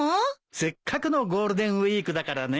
せっかくのゴールデンウィークだからね。